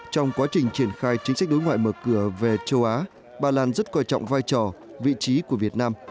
trong quá trình triển khai chính sách đối ngoại mở cửa về châu á ba lan rất coi trọng vai trò vị trí của việt nam